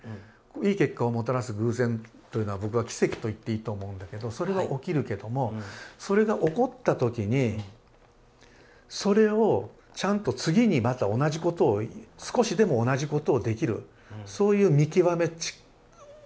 いい結果をもたらす偶然というのは僕は奇跡と言っていいと思うんだけどそれは起きるけどもそれが起こった時にそれをちゃんと次にまた同じことを少しでも同じことをできるそういう見極めができる力がないといけない。